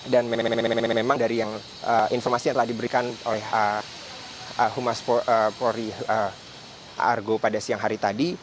dan memang dari informasi yang telah diberikan oleh humas polri argo pada siang hari tadi